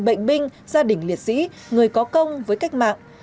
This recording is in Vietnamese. bệnh binh gia đình liệt sĩ người có công với cách mạng